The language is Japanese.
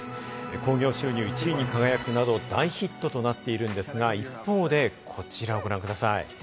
興行収入１位に輝くなど大ヒットとなっているんですが、一方でこちらをご覧ください。